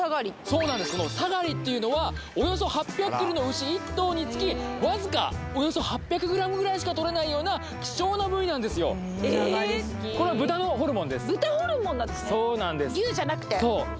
このサガリっていうのはおよそ８００ｋｇの牛１頭につきわずかおよそ８００ｇぐらいしか取れないような希少な部位なんですよえっ豚ホルモンなんですねそうなんですそう